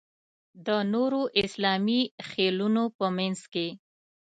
د نورو اسلامي خېلونو په منځ کې.